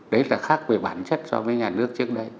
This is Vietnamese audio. đấy là khác về bản chất so với nhà nước trước đây